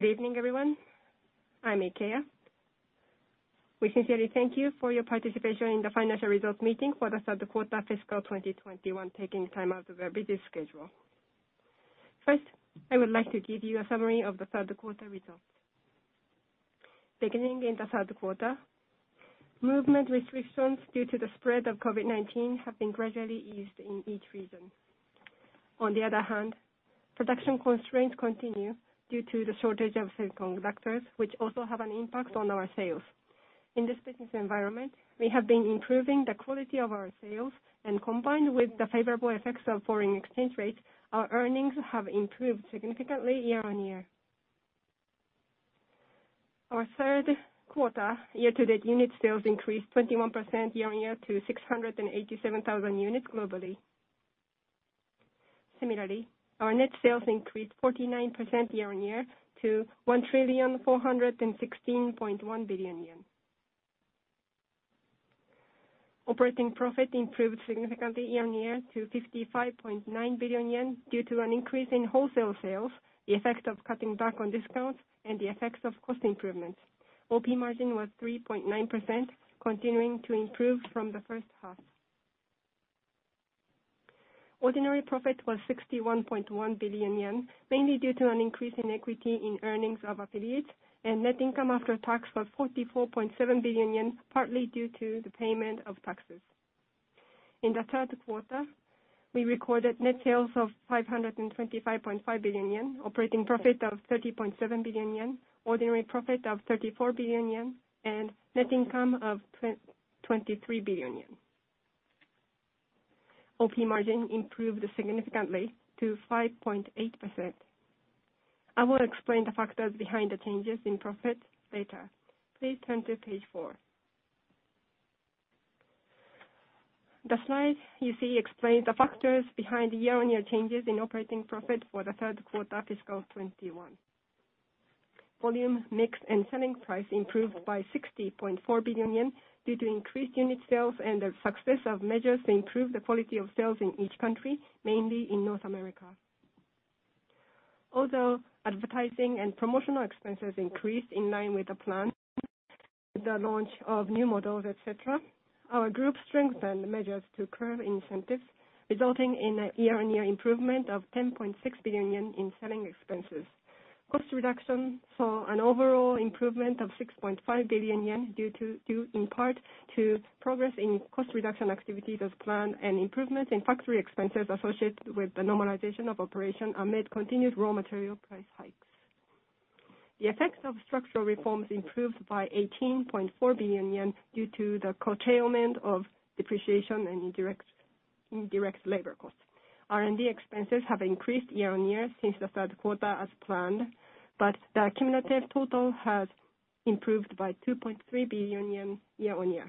Good evening, everyone. I'm Ikeya. We sincerely thank you for your participation in the financial results meeting for the third quarter fiscal 2021, taking time out of your busy schedule. First, I would like to give you a summary of the third quarter results. Beginning in the third quarter, movement restrictions due to the spread of COVID-19 have been gradually eased in each region. On the other hand, production constraints continue due to the shortage of semiconductors, which also have an impact on our sales. In this business environment, we have been improving the quality of our sales and combined with the favorable effects of foreign exchange rates, our earnings have improved significantly year-on-year. Our third quarter year-to-date unit sales increased 21% year-on-year to 687,000 units globally. Similarly, our net sales increased 49% year-on-year to JPY 1,416.1 billion. Operating profit improved significantly year-on-year to 55.9 billion yen due to an increase in wholesale sales, the effect of cutting back on discounts and the effects of cost improvements. OP margin was 3.9% continuing to improve from the first half. Ordinary profit was 61.1 billion yen mainly due to an increase in equity in earnings of affiliates and net income after tax was 44.7 billion yen, partly due to the payment of taxes. In the third quarter, we recorded net sales of 525.5 billion yen, operating profit of 30.7 billion yen, ordinary profit of 34 billion yen and net income of 23 billion yen. OP margin improved significantly to 5.8%. I will explain the factors behind the changes in profit later. Please turn to page four. The slide you see explains the factors behind the year-on-year changes in operating profit for the third quarter fiscal 2021. Volume mix and selling price improved by 60.4 billion yen due to increased unit sales and the success of measures to improve the quality of sales in each country, mainly in North America. Although advertising and promotional expenses increased in line with the plan, the launch of new models, et cetera, our group strengthened measures to curb incentives, resulting in a year-on-year improvement of 10.6 billion yen in selling expenses. Cost reduction saw an overall improvement of 6.5 billion yen due in part to progress in cost reduction activities as planned and improvements in factory expenses associated with the normalization of operation amid continued raw material price hikes. The effects of structural reforms improved by 18.4 billion yen due to the curtailment of depreciation and indirect labor costs. R&D expenses have increased year-on-year since the third quarter as planned, but the cumulative total has improved by 2.3 billion yen year-on-year.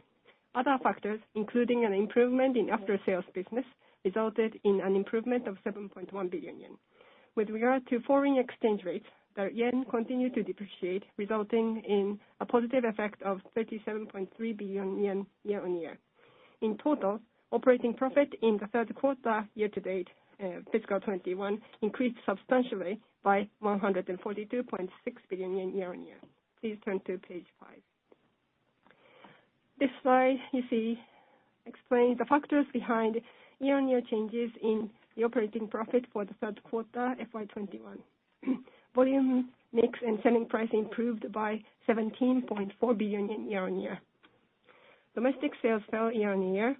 Other factors, including an improvement in after-sales business, resulted in an improvement of 7.1 billion yen. With regard to foreign exchange rates, the yen continued to depreciate, resulting in a positive effect of 37.3 billion yen year-on-year. In total, operating profit in the third quarter year-to-date, fiscal 2021 increased substantially by 142.6 billion yen year-on-year. Please turn to page five. This slide you see explains the factors behind year-on-year changes in the operating profit for the third quarter FY 2021. Volume mix and selling price improved by 17.4 billion year-on-year. Domestic sales fell year-on-year,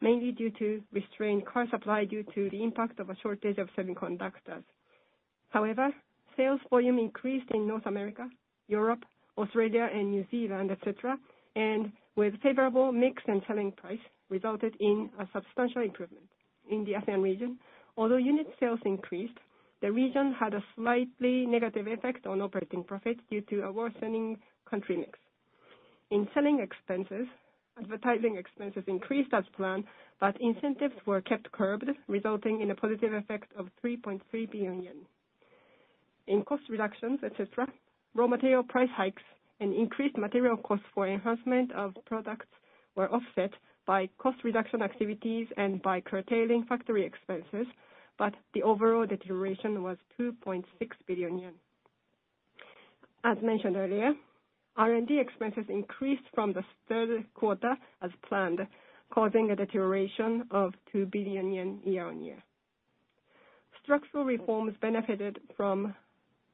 mainly due to restrained car supply due to the impact of a shortage of semiconductors. However, sales volume increased in North America, Europe, Australia and New Zealand, et cetera, and with favorable mix and selling price resulted in a substantial improvement in the Asia region. Although unit sales increased, the region had a slightly negative effect on operating profits due to a worsening country mix. In selling expenses, advertising expenses increased as planned, but incentives were kept curbed, resulting in a positive effect of 3.3 billion yen. In cost reductions, et cetera, raw material price hikes and increased material costs for enhancement of products were offset by cost reduction activities and by curtailing factory expenses, but the overall deterioration was 2.6 billion yen. As mentioned earlier, R&D expenses increased from the third quarter as planned, causing a deterioration of 2 billion yen year-on-year. Structural reforms benefited from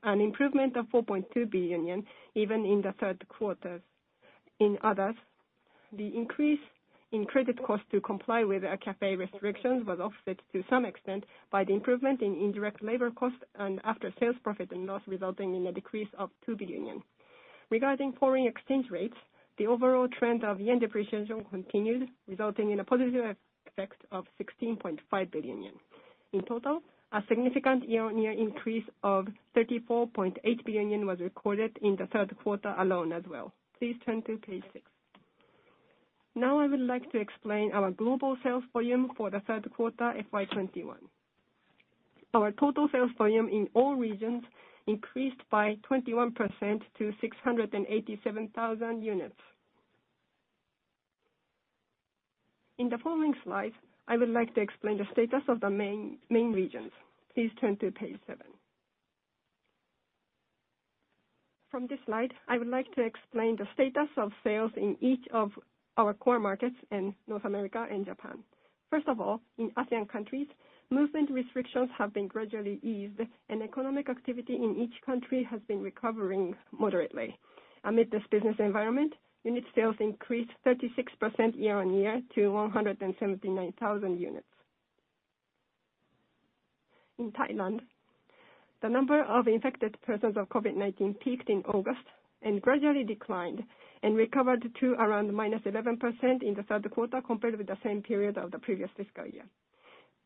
an improvement of 4.2 billion yen even in the third quarter. In others, the increase in credit costs to comply with CAFE restrictions was offset to some extent by the improvement in indirect labor costs and after sales profit, and thus resulting in a decrease of 2 billion yen. Regarding foreign exchange rates, the overall trend of yen depreciation continued, resulting in a positive effect of 16.5 billion yen. In total, a significant year-on-year increase of 34.8 billion yen was recorded in the third quarter alone as well. Please turn to page six. Now I would like to explain our global sales volume for the third quarter FY 2021. Our total sales volume in all regions increased by 21% to 687,000 units. In the following slides, I would like to explain the status of the main regions. Please turn to page seven. From this slide, I would like to explain the status of sales in each of our core markets in North America and Japan. First of all, in ASEAN countries, movement restrictions have been gradually eased, and economic activity in each country has been recovering moderately. Amid this business environment, unit sales increased 36% year-on-year to 179,000 units. In Thailand, the number of infected persons of COVID-19 peaked in August and gradually declined and recovered to around -11% in the third quarter compared with the same period of the previous fiscal year.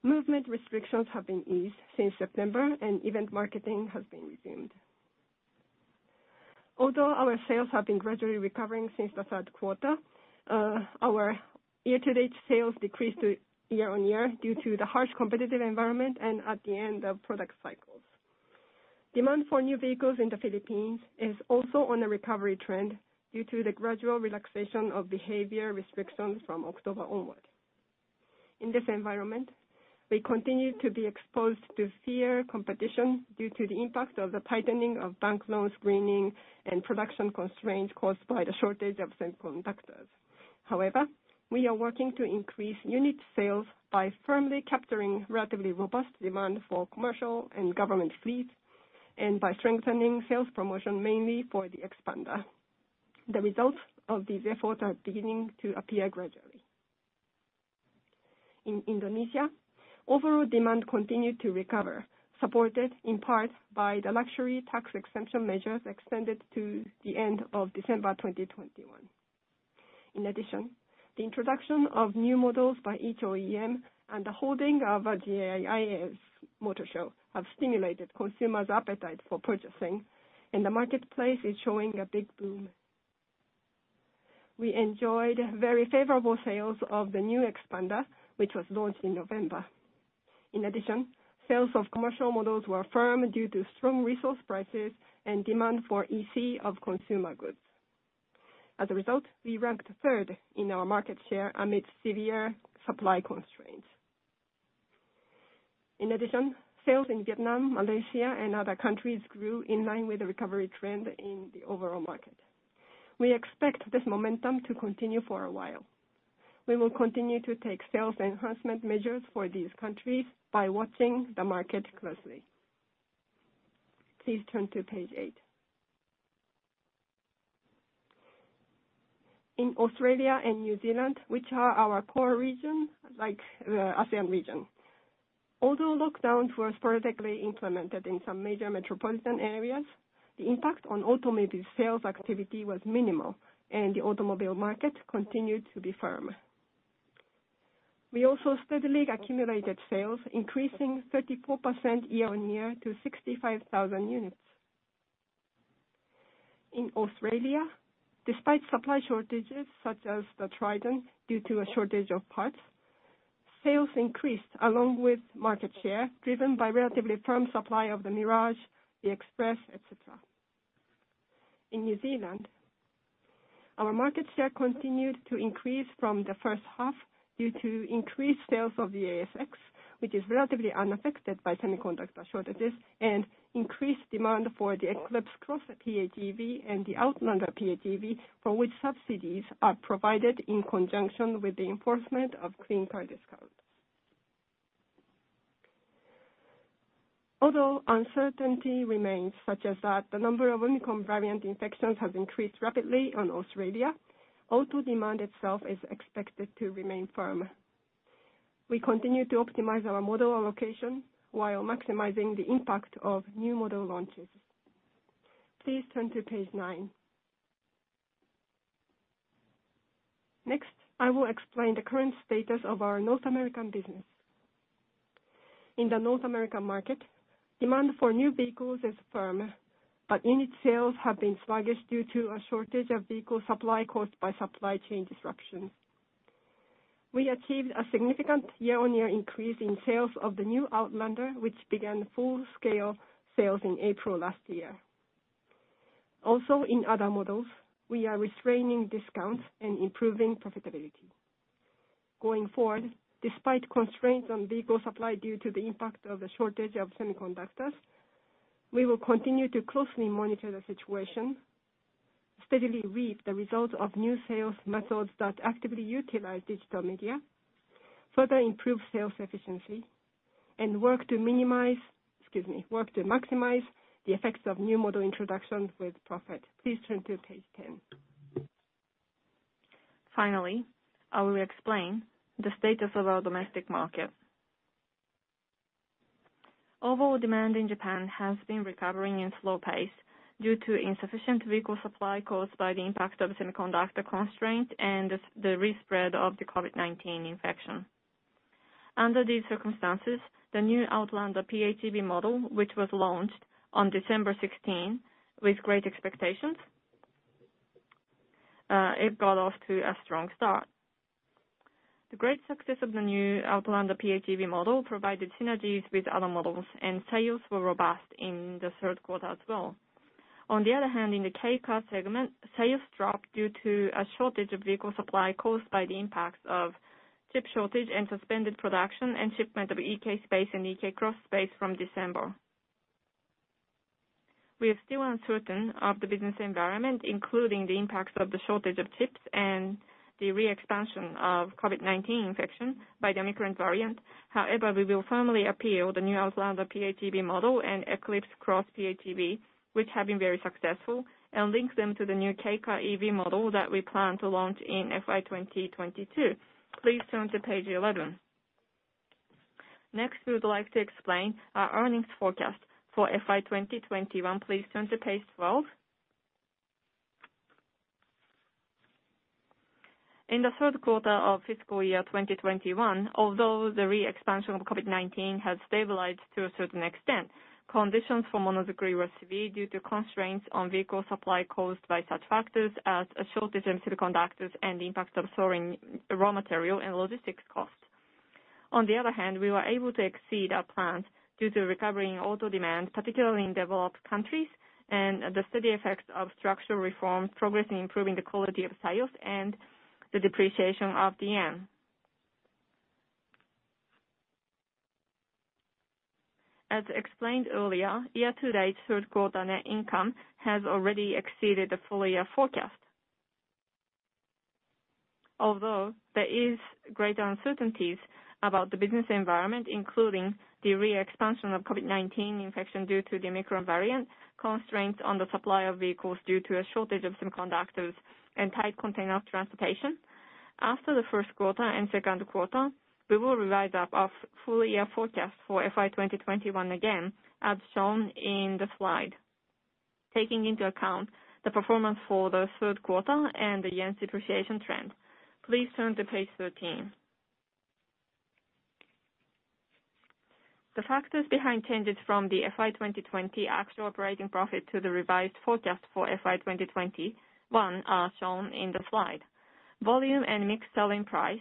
Movement restrictions have been eased since September, and event marketing has been resumed. Although our sales have been gradually recovering since the third quarter, our year-to-date sales decreased year-on-year due to the harsh competitive environment and at the end of product cycles. Demand for new vehicles in the Philippines is also on a recovery trend due to the gradual relaxation of behavior restrictions from October onward. In this environment, we continue to be exposed to severe competition due to the impact of the tightening of bank loans screening and production constraints caused by the shortage of semiconductors. However, we are working to increase unit sales by firmly capturing relatively robust demand for commercial and government fleets and by strengthening sales promotion mainly for the Xpander. The results of these efforts are beginning to appear gradually. In Indonesia, overall demand continued to recover, supported in part by the luxury tax exemption measures extended to the end of December 2021. In addition, the introduction of new models by each OEM and the holding of a GIIAS motor show have stimulated consumers' appetite for purchasing, and the marketplace is showing a big boom. We enjoyed very favorable sales of the new Xpander, which was launched in November. In addition, sales of commercial models were firm due to strong resource prices and demand for EC of consumer goods. As a result, we ranked third in our market share amid severe supply constraints. In addition, sales in Vietnam, Malaysia and other countries grew in line with the recovery trend in the overall market. We expect this momentum to continue for a while. We will continue to take sales enhancement measures for these countries by watching the market closely. Please turn to page eight. In Australia and New Zealand, which are our core region like ASEAN region, although lockdowns were sporadically implemented in some major metropolitan areas, the impact on automotive sales activity was minimal, and the automobile market continued to be firm. We also steadily accumulated sales, increasing 34% year-on-year to 65,000 units. In Australia, despite supply shortages such as the Triton due to a shortage of parts, sales increased along with market share, driven by relatively firm supply of the Mirage, the Express, et cetera. In New Zealand, our market share continued to increase from the first half due to increased sales of the ASX, which is relatively unaffected by semiconductor shortages and increased demand for the Eclipse Cross PHEV and the Outlander PHEV, for which subsidies are provided in conjunction with the enforcement of Clean Car Discount. Although uncertainty remains, such as that the number of Omicron variant infections has increased rapidly in Australia, auto demand itself is expected to remain firm. We continue to optimize our model allocation while maximizing the impact of new model launches. Please turn to page nine. Next, I will explain the current status of our North American business. In the North American market, demand for new vehicles is firm, but unit sales have been sluggish due to a shortage of vehicle supply caused by supply chain disruptions. We achieved a significant year-on-year increase in sales of the new Outlander, which began full-scale sales in April last year. Also in other models, we are restraining discounts and improving profitability. Going forward, despite constraints on vehicle supply due to the impact of the shortage of semiconductors, we will continue to closely monitor the situation, steadily reap the results of new sales methods that actively utilize digital media, further improve sales efficiency and work to maximize the effects of new model introductions with profit. Please turn to page 10. Finally, I will explain the status of our domestic market. Overall demand in Japan has been recovering at a slow pace due to insufficient vehicle supply caused by the impact of semiconductor constraints and the spread of the COVID-19 infection. Under these circumstances, the new Outlander PHEV model, which was launched on December 16 with great expectations, it got off to a strong start. The great success of the new Outlander PHEV model provided synergies with other models and sales were robust in the third quarter as well. On the other hand, in the kei car segment, sales dropped due to a shortage of vehicle supply caused by the impacts of chip shortage and suspended production and shipment of eK Space and eK Xspace from December. We are still uncertain of the business environment, including the impacts of the shortage of chips and the re-expansion of COVID-19 infection by Omicron variant. However, we will firmly appeal the new Outlander PHEV model and Eclipse Cross PHEV, which have been very successful, and link them to the new kei car EV model that we plan to launch in FY 2022. Please turn to page 11. Next, we would like to explain our earnings forecast for FY 2021. Please turn to page 12. In the third quarter of fiscal year 2021, although the re-expansion of COVID-19 has stabilized to a certain extent, conditions for Monozukuri were severe due to constraints on vehicle supply caused by such factors as a shortage in semiconductors and the impact of soaring raw material and logistics costs. On the other hand, we were able to exceed our plans due to recovering auto demand, particularly in developed countries, and the steady effects of structural reform progressing, improving the quality of sales and the depreciation of the yen. As explained earlier, year-to-date third quarter net income has already exceeded the full-year forecast. Although there is greater uncertainties about the business environment, including the re-expansion of COVID-19 infection due to the Omicron variant, constraints on the supply of vehicles due to a shortage of semiconductors and tight container transportation, after the first quarter and second quarter, we will revise up our full-year forecast for FY 2021 again, as shown in the slide, taking into account the performance for the third quarter and the yen depreciation trend. Please turn to page 13. The factors behind changes from the FY 2020 actual operating profit to the revised forecast for FY 2021 are shown in the slide. Volume and mixed selling price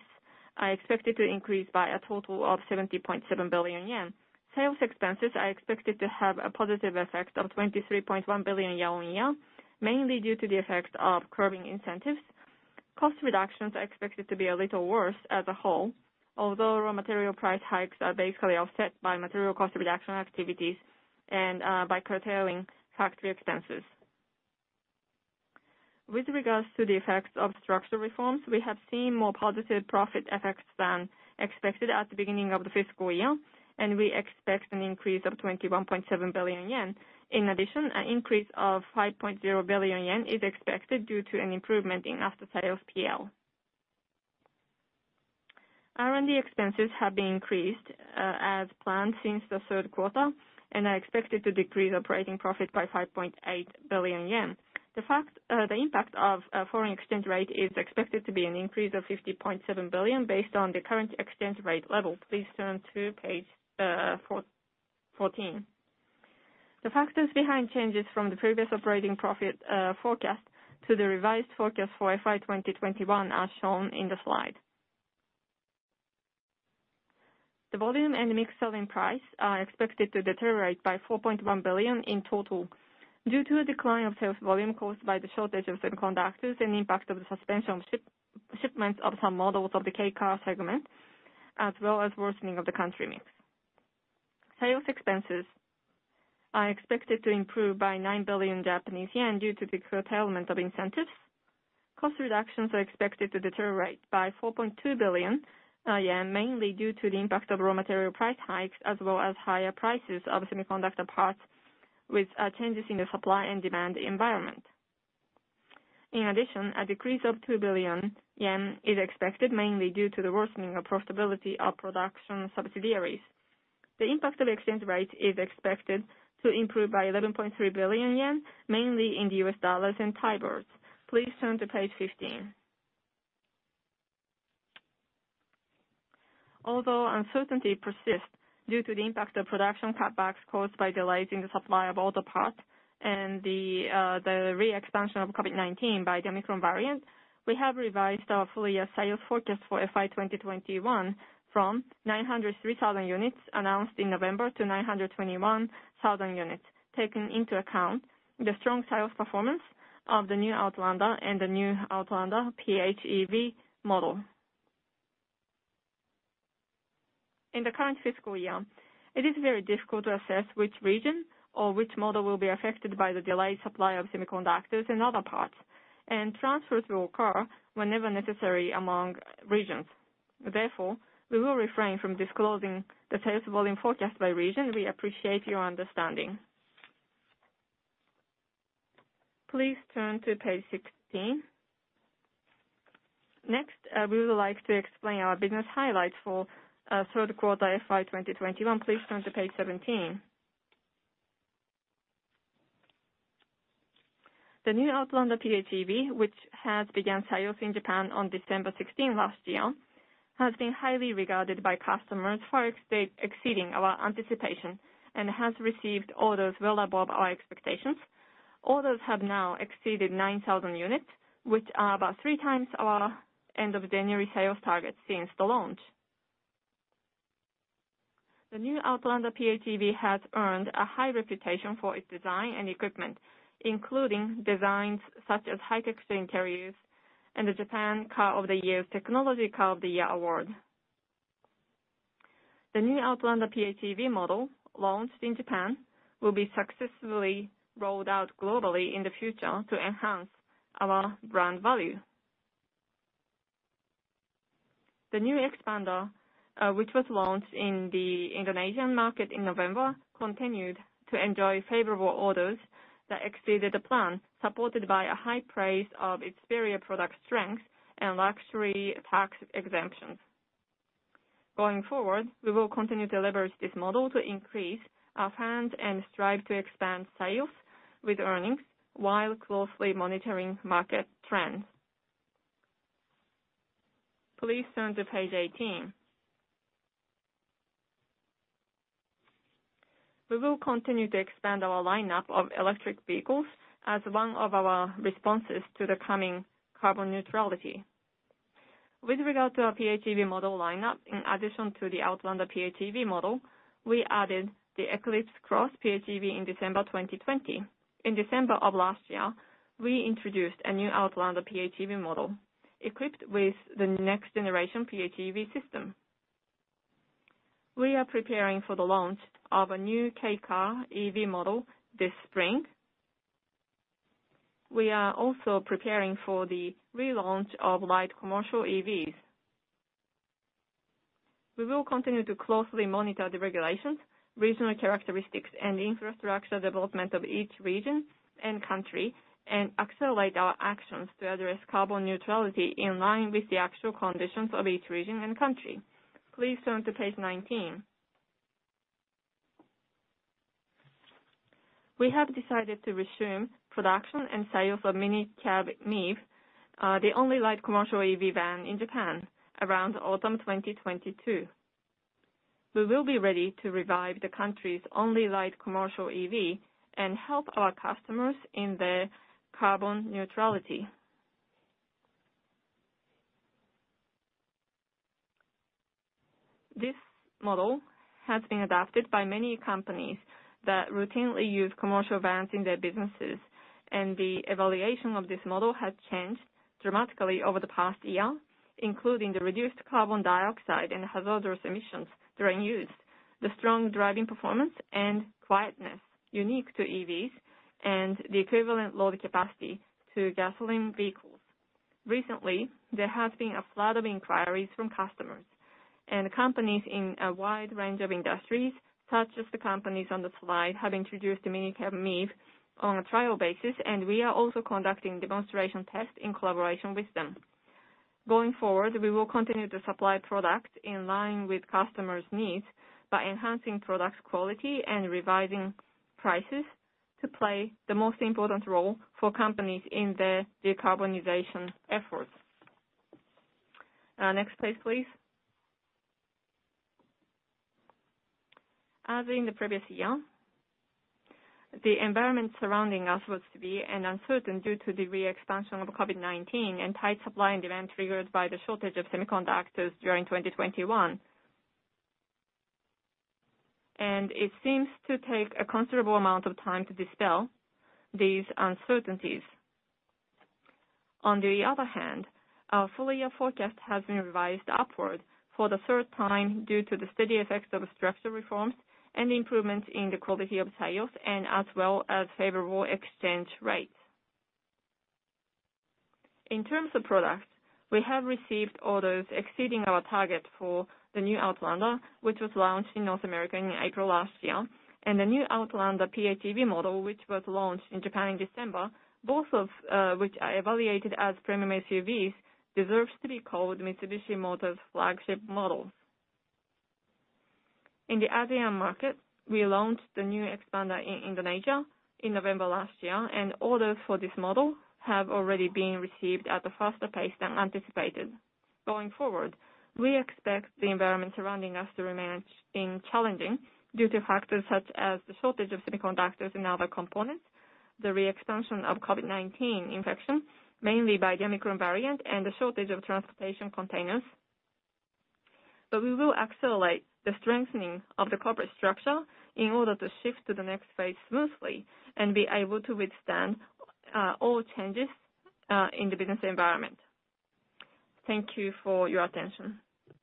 are expected to increase by a total of 70.7 billion yen. Sales expenses are expected to have a positive effect of 23.1 billion yen year-on-year, mainly due to the effect of curbing incentives. Cost reductions are expected to be a little worse as a whole, although raw material price hikes are basically offset by material cost reduction activities and by curtailing factory expenses. With regards to the effects of structural reforms, we have seen more positive profit effects than expected at the beginning of the fiscal year, and we expect an increase of 21.7 billion yen. In addition, an increase of 5.0 billion yen is expected due to an improvement in after-sales P&L. R&D expenses have been increased as planned since the third quarter and are expected to decrease operating profit by 5.8 billion yen. The impact of foreign exchange rate is expected to be an increase of 50.7 billion based on the current exchange rate level. Please turn to page 14. The factors behind changes from the previous operating profit forecast to the revised forecast for FY 2021 are shown in the slide. The volume and mix selling price are expected to deteriorate by 4.1 billion in total due to a decline of sales volume caused by the shortage of semiconductors and impact of the suspension of shipments of some models of the kei car segment, as well as worsening of the country mix. Sales expenses are expected to improve by 9 billion Japanese yen due to the curtailment of incentives. Cost reductions are expected to deteriorate by 4.2 billion yen, mainly due to the impact of raw material price hikes as well as higher prices of semiconductor parts with changes in the supply and demand environment. In addition, a decrease of 2 billion yen is expected, mainly due to the worsening of profitability of production subsidiaries. The impact of exchange rate is expected to improve by 11.3 billion yen, mainly in the US dollars and Thai baht. Please turn to page 15. Although uncertainty persists due to the impact of production cutbacks caused by delays in the supply of auto parts and the re-expansion of COVID-19 by the Omicron variant, we have revised our full-year sales forecast for FY2021 from 903,000 units announced in November to 921,000 units, taking into account the strong sales performance of the new Outlander and the new Outlander PHEV model. In the current fiscal year, it is very difficult to assess which region or which model will be affected by the delayed supply of semiconductors and other parts, and transfers will occur whenever necessary among regions. Therefore, we will refrain from disclosing the sales volume forecast by region. We appreciate your understanding. Please turn to page 16. Next, we would like to explain our business highlights for third quarter FY 2021. Please turn to page 17. The new Outlander PHEV, which has began sales in Japan on December 16 last year, has been highly regarded by customers, far exceeding our anticipation and has received orders well above our expectations. Orders have now exceeded 9,000 units, which are about three times our end of January sales target since the launch. The new Outlander PHEV has earned a high reputation for its design and equipment, including designs such as high-tech interiors and the Japan Car of the Year's Technology Car of the Year award. The new Outlander PHEV model launched in Japan will be successfully rolled out globally in the future to enhance our brand value. The new Xpander, which was launched in the Indonesian market in November, continued to enjoy favorable orders that exceeded the plan, supported by a high praise of its superior product strength and luxury tax exemptions. Going forward, we will continue to leverage this model to increase our fans and strive to expand sales with earnings, while closely monitoring market trends. Please turn to page 18. We will continue to expand our lineup of electric vehicles as one of our responses to the coming carbon neutrality. With regard to our PHEV model lineup, in addition to the Outlander PHEV model, we added the Eclipse Cross PHEV in December 2020. In December of last year, we introduced a new Outlander PHEV model equipped with the next generation PHEV system. We are preparing for the launch of a new kei car EV model this spring. We are also preparing for the relaunch of light commercial EVs. We will continue to closely monitor the regulations, regional characteristics and infrastructure development of each region and country, and accelerate our actions to address carbon neutrality in line with the actual conditions of each region and country. Please turn to page 19. We have decided to resume production and sale of a Minicab-MiEV, the only light commercial EV van in Japan, around autumn 2022. We will be ready to revive the country's only light commercial EV and help our customers in their carbon neutrality. This model has been adopted by many companies that routinely use commercial vans in their businesses, and the evaluation of this model has changed dramatically over the past year, including the reduced carbon dioxide and hazardous emissions during use, the strong driving performance and quietness unique to EVs, and the equivalent load capacity to gasoline vehicles. Recently, there has been a flood of inquiries from customers and companies in a wide range of industries such as the companies on the slide have introduced the Minicab-MiEV on a trial basis, and we are also conducting demonstration tests in collaboration with them. Going forward, we will continue to supply product in line with customers' needs by enhancing product quality and revising prices to play the most important role for companies in their decarbonization efforts. Next page, please. As in the previous year, the environment surrounding us was to be uncertain due to the re-expansion of COVID-19 and tight supply and demand triggered by the shortage of semiconductors during 2021. It seems to take a considerable amount of time to dispel these uncertainties. On the other hand, our full year forecast has been revised upward for the third time due to the steady effects of structural reforms and improvements in the quality of sales as well as favorable exchange rates. In terms of product, we have received orders exceeding our target for the new Outlander, which was launched in North America in April last year, and the new Outlander PHEV model, which was launched in Japan in December, both of which are evaluated as premium SUVs, deserves to be called Mitsubishi Motors' flagship models. In the ASEAN market, we launched the new Xpander in Indonesia in November last year, and orders for this model have already been received at a faster pace than anticipated. Going forward, we expect the environment surrounding us to remain challenging due to factors such as the shortage of semiconductors and other components, the resurgence of COVID-19 infection, mainly by Omicron variant, and the shortage of transportation containers. We will accelerate the strengthening of the corporate structure in order to shift to the next phase smoothly and be able to withstand all changes in the business environment. Thank you for your attention.